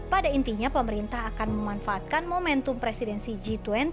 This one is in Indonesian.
pada intinya pemerintah akan memanfaatkan momentum presidensi g dua puluh